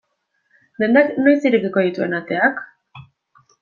Dendak noiz irekiko dituen ateak?